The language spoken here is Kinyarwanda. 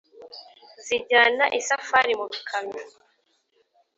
Zijyana isafari mu bikamyo